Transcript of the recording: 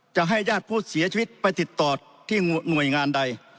จะให้ญาติผู้เสียชีวิตไปติดต่อที่หน่วยงานใด